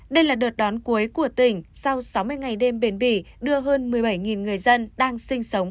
đây là đợt đón cuối của tỉnh sau sáu mươi ngày đêm bền bỉ đưa hơn một mươi bảy người dân đang sinh sống